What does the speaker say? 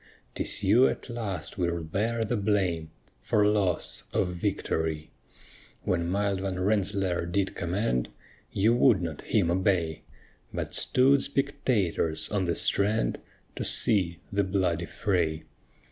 'Tis you at last will bear the blame For loss of victory. When mild Van Rensselaer did command, You would not him obey; But stood spectators on the strand, To see the bloody fray.